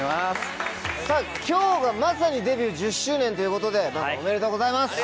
さぁ今日がまさにデビュー１０周年ということでまずおめでとうございます。